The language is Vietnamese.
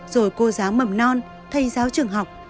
rồi cô giáo mầm non thay giáo trường học